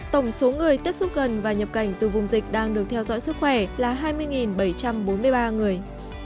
tổng số người tiếp xúc gần và nhập cảnh từ vùng dịch đang được theo dõi sức khỏe là hai mươi bảy trăm bốn mươi ba người